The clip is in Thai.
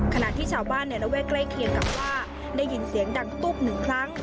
ขณะที่ชาวบ้านในระแวกใกล้เคียงกับว่าได้ยินเสียงดังตุ๊บหนึ่งครั้ง